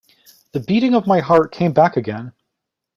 The beating of my heart came back again.